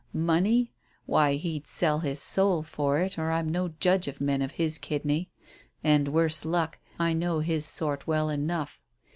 "Money? Why, he'd sell his soul for it, or I'm no judge of men of his kidney, and, worse luck, I know his sort well enough.